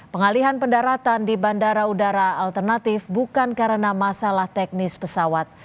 pengalihan pendaratan di bandara udara alternatif bukan karena masalah teknis pesawat